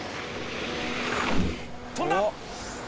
飛んだ！